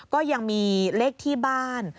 ก็ยังมีเลขที่บ้าน